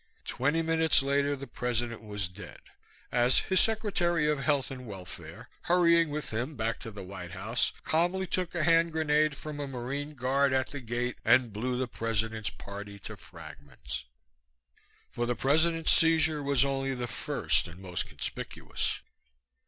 Twenty minutes later the President was dead, as his Secretary of Health and Welfare, hurrying with him back to the White House, calmly took a hand grenade from a Marine guard at the gate and blew the President's party to fragments. For the President's seizure was only the first and most conspicuous.